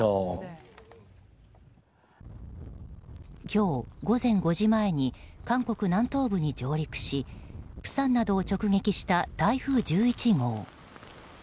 今日午前５時前に韓国南東部に上陸し釜山などを直撃した台風１１号。